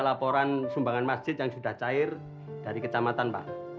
laporan sumbangan masjid yang sudah cair dari kecamatan pak